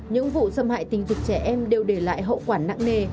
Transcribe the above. những vụ xâm hại tình dục trẻ em đều để lại hậu quả nặng nề